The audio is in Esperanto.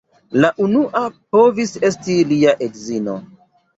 La unua povis esti lia edzino.